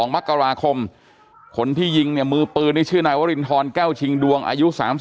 มกราคมคนที่ยิงเนี่ยมือปืนนี่ชื่อนายวรินทรแก้วชิงดวงอายุ๓๒